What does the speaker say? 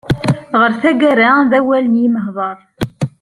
Ɣer taggara, d awal n yimeḥḍar.